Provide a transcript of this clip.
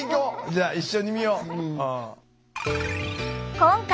じゃあ一緒に見よう。